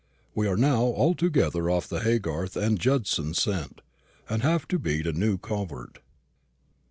We are now altogether off the Haygarth and Judson scent, and have to beat a new covert."